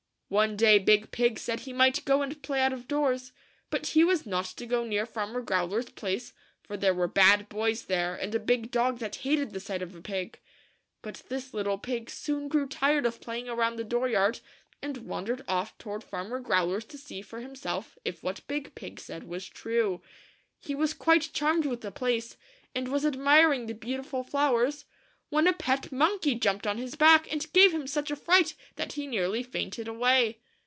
One day Big Pig said he might go and play out of doors ; but he was not to go near Farmer Growler's place, for there were bad boys there, and a big dog that hated the sight of a pig. But this little pig soon grew tired of playing around the door yard, and wandered off toward Farmer Growler's to see for himself if what Big Pig said was true. THE FIVE LITTLE PIGS. CRYING ''WEE! WEE!" He was quite charmed with the place, and was admiring the beautiful flowers, when a pet monkey jumped on his back, and gave him such a fright that he nearly fainted away.